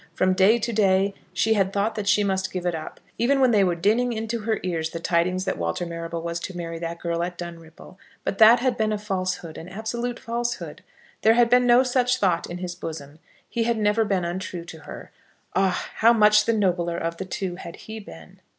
From day to day she had thought that she must give it up, even when they were dinning into her ears the tidings that Walter Marrable was to marry that girl at Dunripple. But that had been a falsehood, an absolute falsehood. There had been no such thought in his bosom. He had never been untrue to her. Ah! how much the nobler of the two had he been!